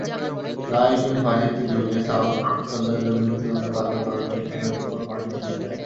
রায়ে তিনি ফাঁসিতে ঝুলিয়ে সালাম সরদারের মৃত্যুদণ্ড কার্যকর করার নির্দেশ দেন।